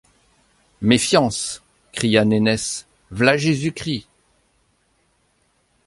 Méfiance! cria Nénesse, v’là Jésus-Christ !